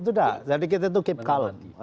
tidak jadi kita itu keep calm